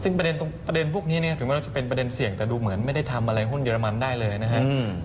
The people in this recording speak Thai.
ซึ่งประเด็นตรงประเด็นพวกนี้ถึงว่าเราจะเป็นประเด็นเสี่ยงแต่ดูเหมือนไม่ได้ทำอะไรหุ้นเยอรมันได้เลยนะครับ